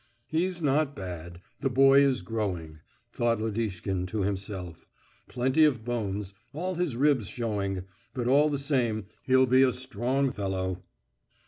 "He's not bad; the boy is growing," thought Lodishkin to himself. "Plenty of bones all his ribs showing; but all the same, he'll be a strong fellow."